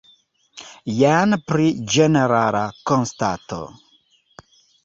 Jen pli ĝenerala konstato.